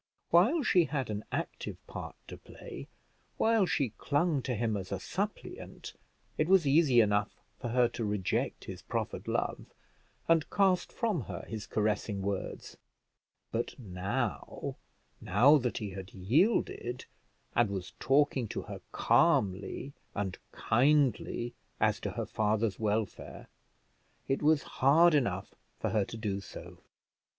While she had an active part to play, while she clung to him as a suppliant, it was easy enough for her to reject his proffered love, and cast from her his caressing words; but now now that he had yielded, and was talking to her calmly and kindly as to her father's welfare, it was hard enough for her to do so.